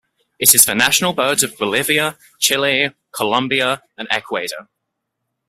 It is the national bird of Bolivia, Chile, Colombia, and Ecuador.